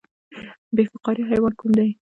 بې فقاریه حیوانات کوم دي؟